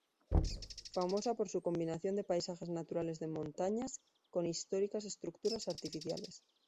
Famosa por su combinación de paisajes naturales de montañas, con históricas estructuras artificiales.